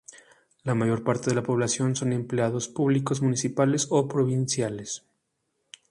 La mayor parte de la población son empleados públicos municipales o provinciales.